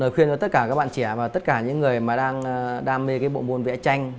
khuyên cho tất cả các bạn trẻ và tất cả những người mà đang đam mê cái bộ môn vẽ tranh